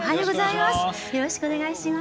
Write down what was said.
よろしくお願いします。